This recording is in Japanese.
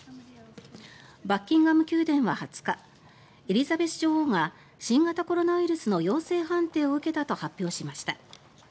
バッキンガム宮殿は２０日エリザベス女王が新型コロナウイルスの陽性判定を受けたと発表しました。